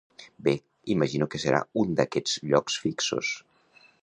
Bé, imagino que serà un d'aquests llocs fixos.